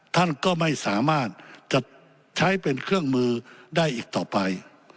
ท่านก็ไม่สามารถจะใช้เป็นเครื่องมือได้อีกต่อไป